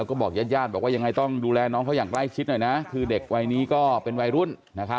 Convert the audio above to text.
ก็บอกอย่างไรต้องดูแลน้องก็อย่างสิบหน่อยนะคือเด็กวันนี้ก็เป็นวัยรุ่น